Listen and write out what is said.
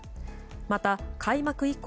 また、開幕以降